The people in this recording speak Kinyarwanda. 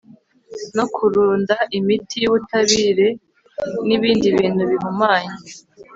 no kurunda imiti y ubutabire n ibindi bintu bihumanya